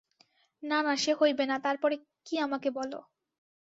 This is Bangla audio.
না না, সে হইবে না, তার পরে কী আমাকে বলো।